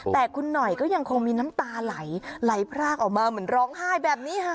แต่คุณหน่อยก็ยังคงมีน้ำตาไหลไหลพรากออกมาเหมือนร้องไห้แบบนี้ค่ะ